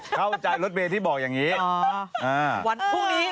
เข้าใจรถเบยที่บอกอย่างนี้